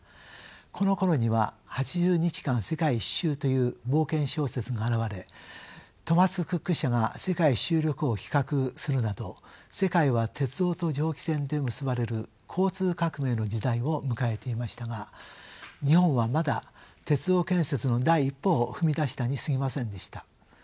このころには「八十日間世界一周」という冒険小説が現れトーマス・クック社が世界一周旅行を企画するなど世界は鉄道と蒸気船で結ばれる交通革命の時代を迎えていましたが日本はまだ鉄道建設の第一歩を踏み出したにすぎませんでした。